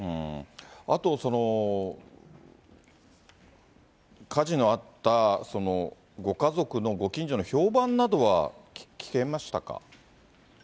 あと、火事のあったご家族のご近所の評判などは聞けましたか？